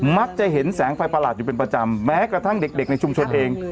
มักจะเห็นแสงไฟประหลาดอยู่เป็นประจำแม้กระทั่งเด็กในชุมชนเอง